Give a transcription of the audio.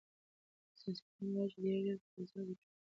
ساینس پوهان وایي چې ډیر ژر به په فضا کې هوټلونه جوړ شي.